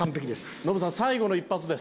ノブさん最後の１発です。